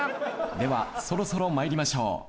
ではそろそろ参りましょう。